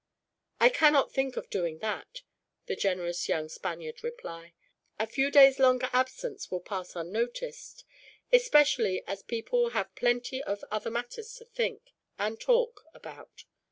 "I cannot think of doing that," the generous young Spaniard replied. "A few days' longer absence will pass unnoticed, especially as people will have plenty of other matters to think, and talk, about.